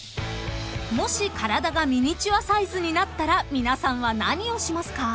［もし体がミニチュアサイズになったら皆さんは何をしますか？］